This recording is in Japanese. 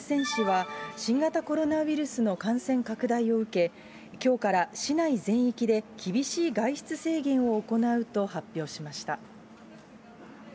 市は、新型コロナウイルスの感染拡大を受け、きょうから市内全域で厳しい外出制限を行うと発表しました。